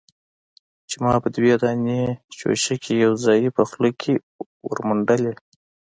چې ما به دوې دانې چوشکې يوځايي په خوله کښې ورمنډلې.